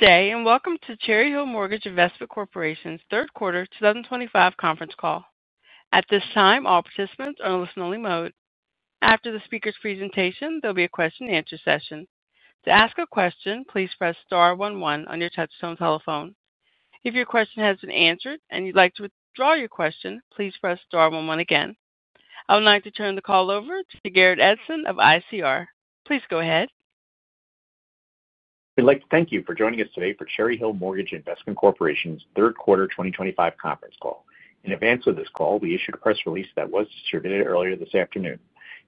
Good day and welcome to Cherry Hill Mortgage Investment Corporation's third quarter 2025 conference call. At this time, all participants are in listen-only mode. After the speaker's presentation, there'll be a question-and-answer session. To ask a question, please press star one one on your touch-tone telephone. If your question has been answered and you'd like to withdraw your question, please press star one one again. I would like to turn the call over to Garrett Edson of ICR. Please go ahead. We'd like to thank you for joining us today for Cherry Hill Mortgage Investment Corporation's third quarter 2025 conference call. In advance of this call, we issued a press release that was distributed earlier this afternoon.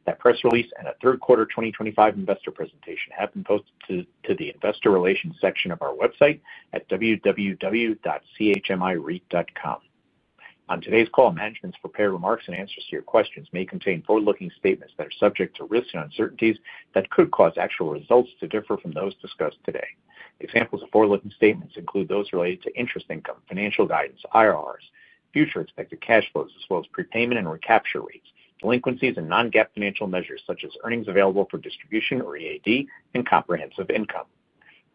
That press release and a third quarter 2025 investor presentation have been posted to the Investor Relations section of our website at www.chmireit.com. On today's call, management's prepared remarks and answers to your questions may contain forward-looking statements that are subject to risks and uncertainties that could cause actual results to differ from those discussed today. Examples of forward-looking statements include those related to interest income, financial guidance, IRRs, future expected cash flows, as well as prepayment and recapture rates, delinquencies, and non-GAAP financial measures such as earnings available for distribution or EAD, and comprehensive income.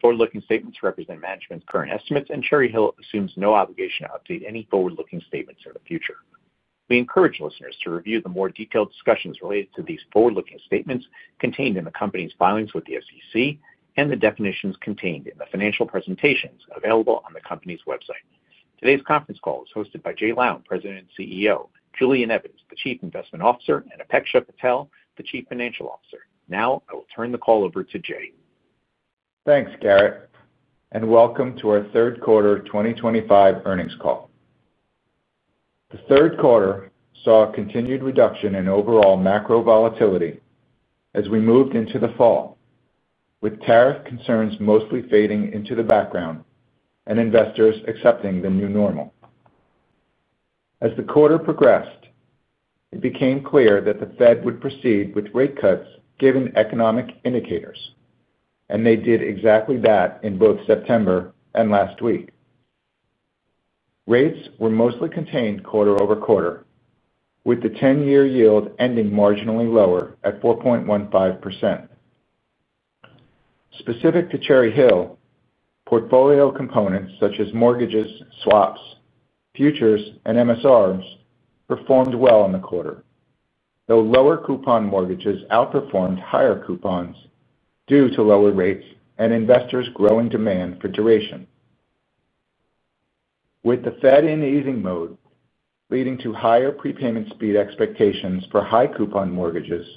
Forward-looking statements represent management's current estimates, and Cherry Hill assumes no obligation to update any forward-looking statements in the future. We encourage listeners to review the more detailed discussions related to these forward-looking statements contained in the company's filings with the SEC and the definitions contained in the financial presentations available on the company's website. Today's conference call is hosted by Jay Lown, President and CEO, Julian Evans, the Chief Investment Officer, and Apeksha Patel, the Chief Financial Officer. Now, I will turn the call over to Jay. Thanks, Garrett, and welcome to our third quarter 2025 earnings call. The third quarter saw a continued reduction in overall macro volatility as we moved into the fall. With tariff concerns mostly fading into the background and investors accepting the new normal. As the quarter progressed, it became clear that the Fed would proceed with rate cuts given economic indicators, and they did exactly that in both September and last week. Rates were mostly contained quarter over quarter, with the 10-year yield ending marginally lower at 4.15%. Specific to Cherry Hill, portfolio components such as mortgages, swaps, futures, and MSRs performed well in the quarter, though lower coupon mortgages outperformed higher coupons due to lower rates and investors' growing demand for duration. With the Fed in easing mode leading to higher prepayment speed expectations for high coupon mortgages.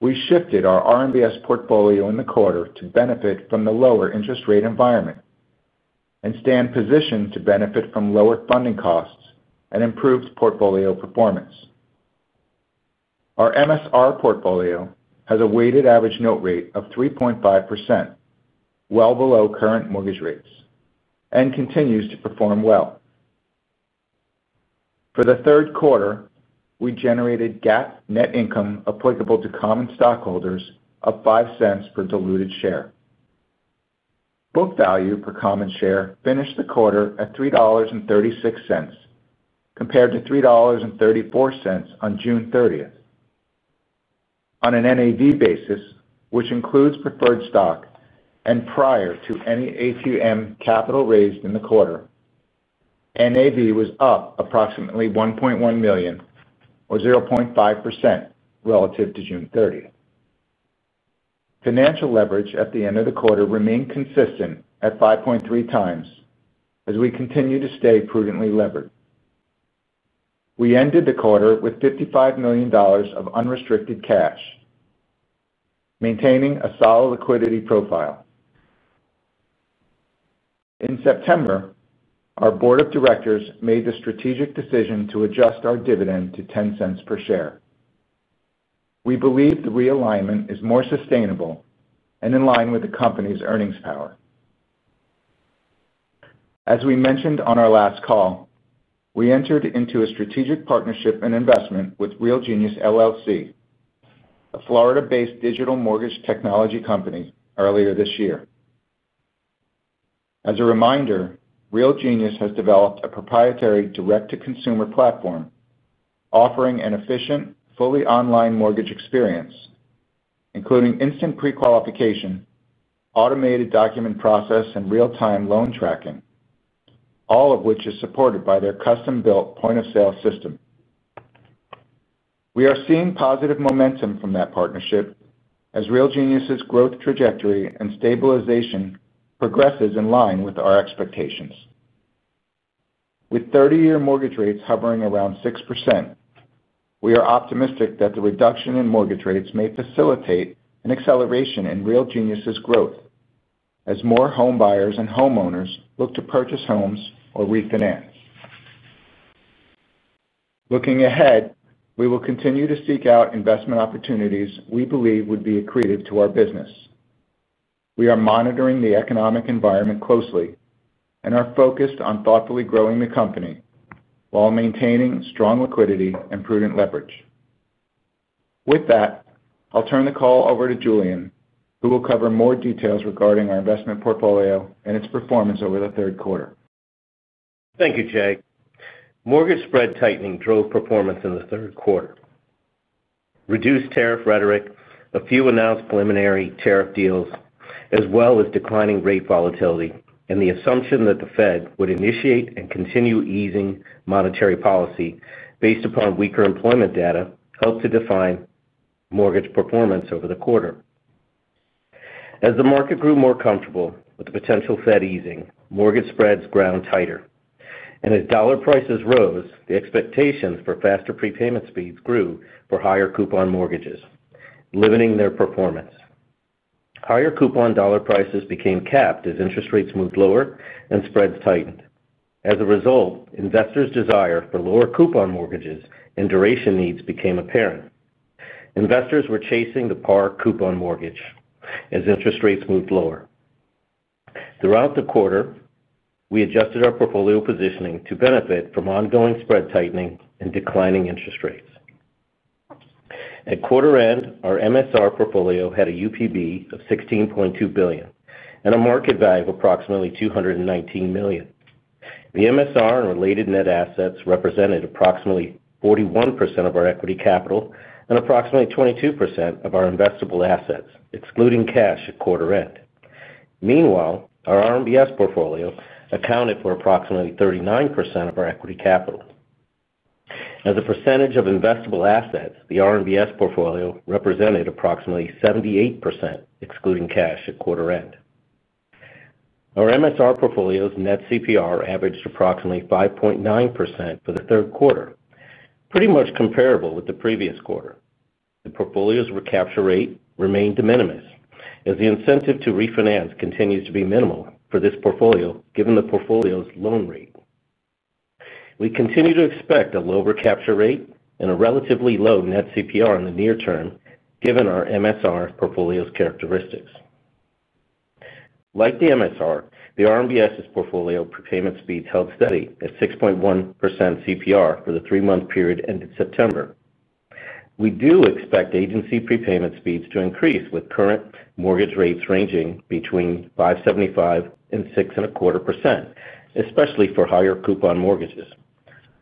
We shifted our RMBS portfolio in the quarter to benefit from the lower interest rate environment. We stand positioned to benefit from lower funding costs and improved portfolio performance. Our MSR portfolio has a weighted average note rate of 3.5%, well below current mortgage rates and continues to perform well. For the third quarter, we generated GAAP net income applicable to common stockholders of $0.05 per diluted share. Book value per common share finished the quarter at $3.36, compared to $3.34 on June 30th. On an NAV basis, which includes preferred stock and prior to any AQM capital raised in the quarter, NAV was up approximately $1.1 million, or 0.5%, relative to June 30. Financial leverage at the end of the quarter remained consistent at 5.3 times as we continue to stay prudently levered. We ended the quarter with $55 million of unrestricted cash, maintaining a solid liquidity profile. In September, our board of directors made the strategic decision to adjust our dividend to $0.10 per share. We believe the realignment is more sustainable and in line with the company's earnings power. As we mentioned on our last call, we entered into a strategic partnership and investment with Real Genius LLC, a Florida-based digital mortgage technology company, earlier this year. As a reminder, Real Genius has developed a proprietary direct-to-consumer platform, offering an efficient, fully online mortgage experience, including instant prequalification, automated document process, and real-time loan tracking, all of which is supported by their custom-built point-of-sale system. We are seeing positive momentum from that partnership as Real Genius's growth trajectory and stabilization progresses in line with our expectations, with 30-year mortgage rates hovering around 6%. We are optimistic that the reduction in mortgage rates may facilitate an acceleration in Real Genius's growth as more home buyers and homeowners look to purchase homes or refinance. Looking ahead, we will continue to seek out investment opportunities we believe would be accretive to our business. We are monitoring the economic environment closely and are focused on thoughtfully growing the company while maintaining strong liquidity and prudent leverage. With that, I'll turn the call over to Julian, who will cover more details regarding our investment portfolio and its performance over the third quarter. Thank you, Jay. Mortgage spread tightening drove performance in the third quarter. Reduced tariff rhetoric, a few announced preliminary tariff deals, as well as declining rate volatility and the assumption that the Fed would initiate and continue easing monetary policy based upon weaker employment data helped to define mortgage performance over the quarter. As the market grew more comfortable with the potential Fed easing, mortgage spreads ground tighter. As dollar prices rose, the expectations for faster prepayment speeds grew for higher coupon mortgages, limiting their performance. Higher coupon dollar prices became capped as interest rates moved lower and spreads tightened. As a result, investors' desire for lower coupon mortgages and duration needs became apparent. Investors were chasing the par coupon mortgage as interest rates moved lower. Throughout the quarter, we adjusted our portfolio positioning to benefit from ongoing spread tightening and declining interest rates. At quarter end, our MSR portfolio had a UPB of $16.2 billion and a market value of approximately $219 million. The MSR and related net assets represented approximately 41% of our equity capital and approximately 22% of our investable assets, excluding cash at quarter end. Meanwhile, our RMBS portfolio accounted for approximately 39% of our equity capital. As a percentage of investable assets, the RMBS portfolio represented approximately 78%, excluding cash at quarter end. Our MSR portfolio's net CPR averaged approximately 5.9% for the third quarter, pretty much comparable with the previous quarter. The portfolio's recapture rate remained de minimis as the incentive to refinance continues to be minimal for this portfolio given the portfolio's loan rate. We continue to expect a low recapture rate and a relatively low net CPR in the near term given our MSR portfolio's characteristics. Like the MSR, the RMBS's portfolio prepayment speeds held steady at 6.1% CPR for the three-month period ended September. We do expect agency prepayment speeds to increase with current mortgage rates ranging between 5.75% and 6.25%, especially for higher coupon mortgages.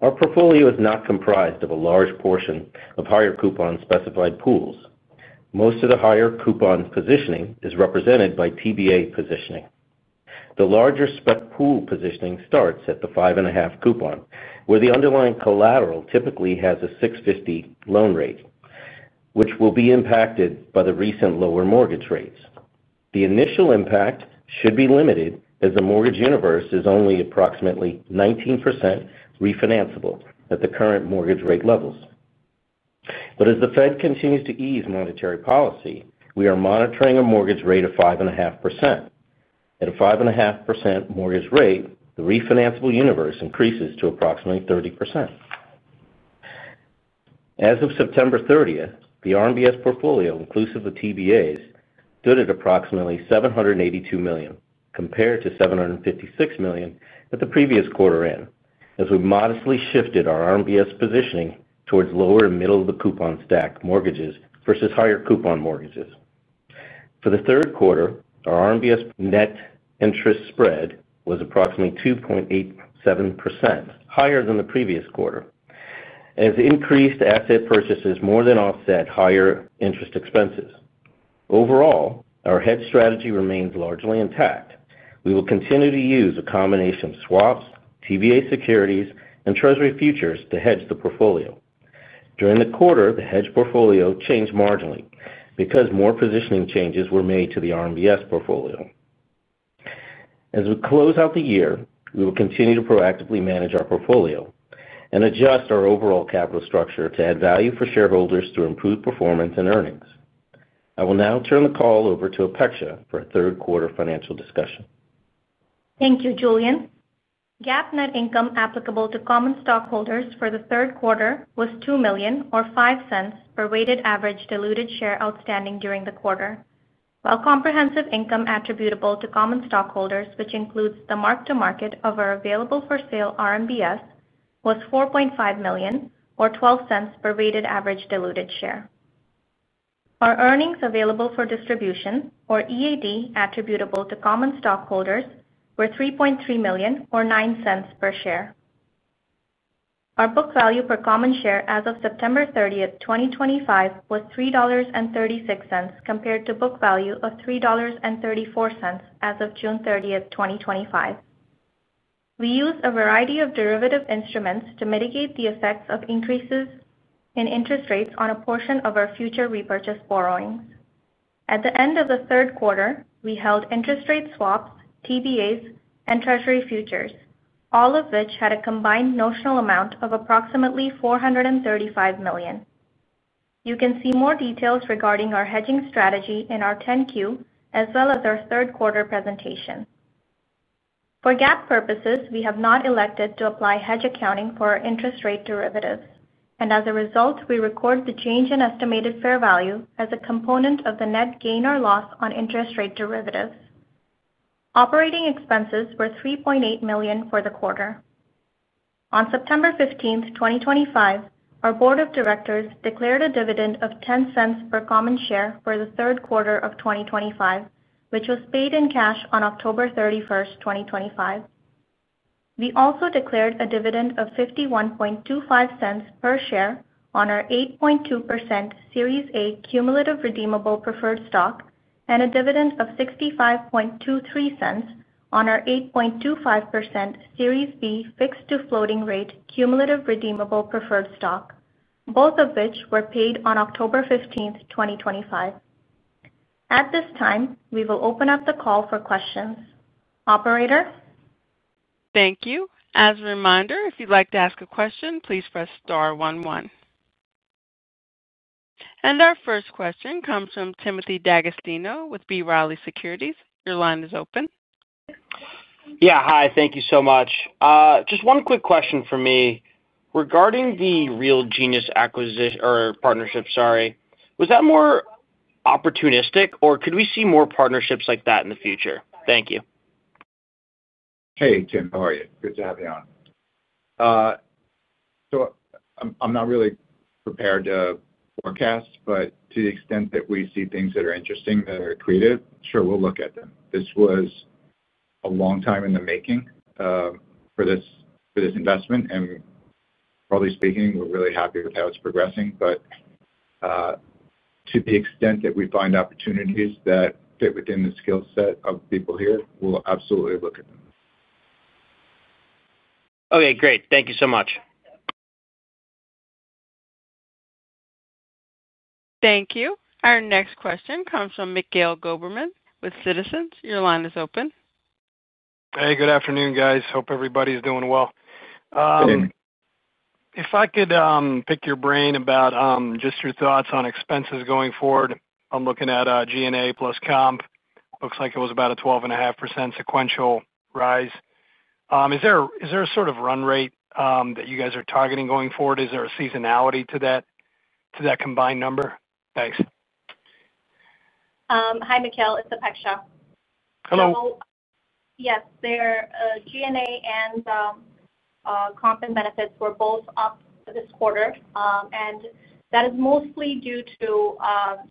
Our portfolio is not comprised of a large portion of higher coupon-specified pools. Most of the higher coupon positioning is represented by TBA positioning. The larger spec pool positioning starts at the 5.5 coupon, where the underlying collateral typically has a 6.50 loan rate, which will be impacted by the recent lower mortgage rates. The initial impact should be limited as the mortgage universe is only approximately 19% refinanceable at the current mortgage rate levels. As the Fed continues to ease monetary policy, we are monitoring a mortgage rate of 5.5%. At a 5.5% mortgage rate, the refinanceable universe increases to approximately 30%. As of September 30th, the RMBS portfolio, inclusive of TBAs, stood at approximately $782 million compared to $756 million at the previous quarter end, as we modestly shifted our RMBS positioning towards lower and middle-of-the-coupon stack mortgages versus higher coupon mortgages. For the third quarter, our RMBS net interest spread was approximately 2.87%, higher than the previous quarter, as increased asset purchases more than offset higher interest expenses. Overall, our hedge strategy remains largely intact. We will continue to use a combination of swaps, TBA securities, and treasury futures to hedge the portfolio. During the quarter, the hedge portfolio changed marginally because more positioning changes were made to the RMBS portfolio. As we close out the year, we will continue to proactively manage our portfolio and adjust our overall capital structure to add value for shareholders through improved performance and earnings. I will now turn the call over to Apeksha for a third quarter financial discussion. Thank you, Julian. GAAP net income applicable to common stockholders for the third quarter was $2 million, or $0.05 per weighted average diluted share outstanding during the quarter, while comprehensive income attributable to common stockholders, which includes the mark-to-market of our available-for-sale RMBS, was $4.5 million, or $0.12 per weighted average diluted share. Our earnings available for distribution, or EAD, attributable to common stockholders were $3.3 million, or $0.09 per share. Our book value per common share as of September 30, 2025, was $3.36 compared to book value of $3.34 as of June 30, 2025. We used a variety of derivative instruments to mitigate the effects of increases in interest rates on a portion of our future repurchase borrowings. At the end of the third quarter, we held interest rate swaps, TBAs, and treasury futures, all of which had a combined notional amount of approximately $435 million. You can see more details regarding our hedging strategy in our 10-Q, as well as our third quarter presentation. For GAAP purposes, we have not elected to apply hedge accounting for our interest rate derivatives, and as a result, we record the change in estimated fair value as a component of the net gain or loss on interest rate derivatives. Operating expenses were $3.8 million for the quarter. On September 15th, 2025, our board of directors declared a dividend of $0.10 per common share for the third quarter of 2025, which was paid in cash on October 31st, 2025. We also declared a dividend of $0.5125 per share on our 8.2% Series A Cumulative Redeemable Preferred Stock and a dividend of $0.6523 on our 8.25% Series B Fixed-to-Floating Rate Cumulative Redeemable Preferred Stock, both of which were paid on October 15th, 2025. At this time, we will open up the call for questions. Operator. Thank you. As a reminder, if you'd like to ask a question, please press star one one. Our first question comes from Timothy D'Agostino with B. Riley Securities. Your line is open. Yeah. Hi. Thank you so much. Just one quick question for me. Regarding the Real Genius acquisition or partnership, sorry, was that more opportunistic, or could we see more partnerships like that in the future? Thank you. Hey, Tim. How are you? Good to have you on. I'm not really prepared to forecast, but to the extent that we see things that are interesting, that are creative, sure, we'll look at them. This was a long time in the making for this investment. Broadly speaking, we're really happy with how it's progressing. To the extent that we find opportunities that fit within the skill set of people here, we'll absolutely look at them. Okay. Great. Thank you so much. Thank you. Our next question comes from Mikhail Goberman with Citizens. Your line is open. Hey. Good afternoon, guys. Hope everybody's doing well. Good. If I could pick your brain about just your thoughts on expenses going forward, I'm looking at G&A plus comp. Looks like it was about a 12.5% sequential rise. Is there a sort of run rate that you guys are targeting going forward? Is there a seasonality to that combined number? Thanks. Hi, Mikhail. It's Apeksha. Hello. Yes. G&A and comp and benefits were both up this quarter, and that is mostly due to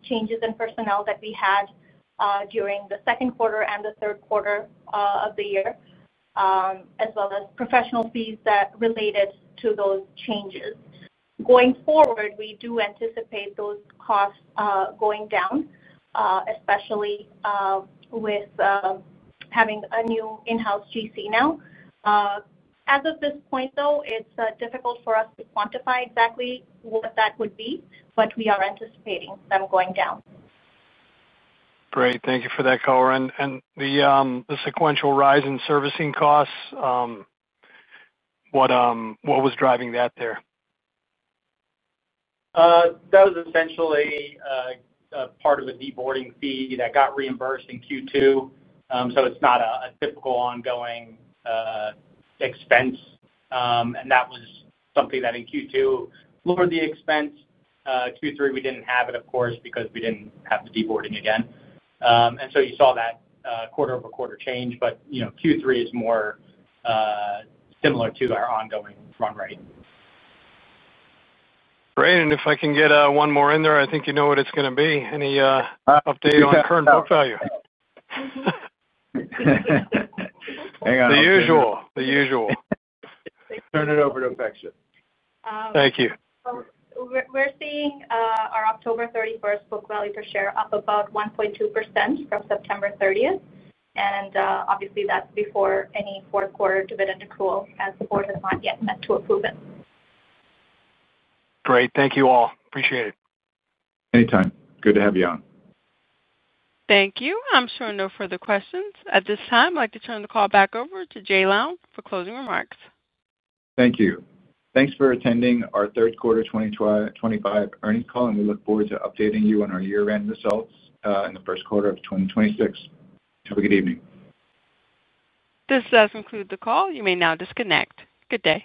changes in personnel that we had during the second quarter and the third quarter of the year, as well as professional fees that related to those changes. Going forward, we do anticipate those costs going down, especially with having a new in-house GC now. As of this point, though, it's difficult for us to quantify exactly what that would be, but we are anticipating them going down. Great. Thank you for that color. The sequential rise in servicing costs, what was driving that there? That was essentially part of a deboarding fee that got reimbursed in Q2. It is not a typical ongoing expense. That was something that in Q2 lowered the expense. Q3, we did not have it, of course, because we did not have the deboarding again. You saw that quarter-over-quarter change, but Q3 is more similar to our ongoing run rate. Great. If I can get one more in there, I think you know what it's going to be. Any update on current book value? Hang on. The usual. Turn it over to Apeksha? Thank you. We're seeing our October 31 book value per share up about 1.2% from September 30th. Obviously, that's before any fourth-quarter dividend accrual as the board has not yet met to approve it. Great. Thank you all. Appreciate it. Anytime. Good to have you on. Thank you. I'm sure no further questions. At this time, I'd like to turn the call back over to Jay Lown for closing remarks. Thank you. Thanks for attending our third quarter 2025 earnings call, and we look forward to updating you on our year-end results in the first quarter of 2026. Have a good evening. This does conclude the call. You may now disconnect. Good day.